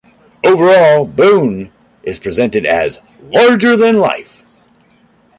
Overall, Boone is presented as larger-than-life.